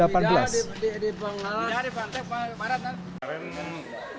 pada hari ini